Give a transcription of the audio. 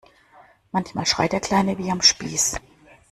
Manchmal schreit der Kleine wie am Spieß.